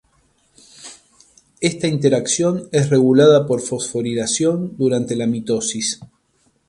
Esta interacción es regulada por fosforilación durante la mitosis.